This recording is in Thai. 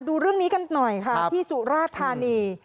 ดูเรื่องนี้กันหน่อยค่ะที่สุราธานี